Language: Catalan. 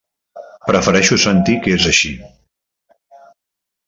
Prefereixo sentir que és així.